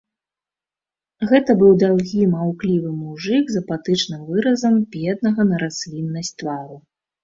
Гэта быў даўгі маўклівы мужык з апатычным выразам беднага на расліннасць твару.